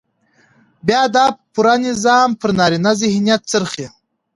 بيا دا پوره نظام پر نارينه ذهنيت څرخي.